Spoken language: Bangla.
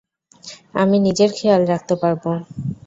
আমি নিজের খেয়াল রাখতে পারবো।